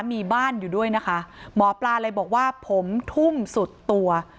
มีบ้านอยู่ด้วยนะคะหมอปลาเลยบอกว่าผมทุ่มสุดตัว